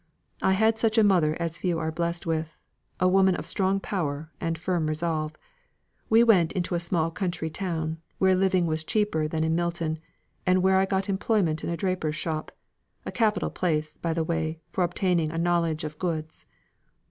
I had such a mother as few are blest with; a woman of strong power, and firm resolve. We went into a small country town, where living was cheaper than in Milton, and where I got employment in a draper's shop (a capital place, by the way, for obtaining a knowledge of goods).